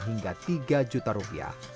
hingga tiga juta rupiah